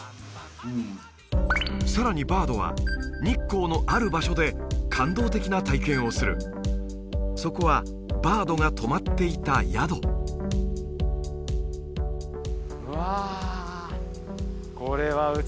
うんさらにバードは日光のある場所で感動的な体験をするそこはバードが泊まっていた宿うわ